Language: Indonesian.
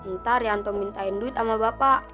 ntar ya antum mintain duit sama bapak